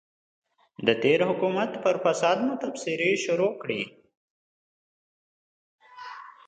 د تېر حکومت پر فساد مو تبصرې شروع کړې.